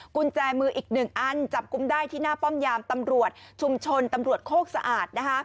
กุญแจมืออีกหนึ่งอันจับกลุ่มได้ที่หน้าป้อมยามตำรวจชุมชนตำรวจโคกสะอาด